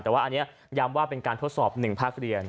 แต่ว่าอันนี้ย้ำว่าเป็นการทดสอบ๑ภาคเรียน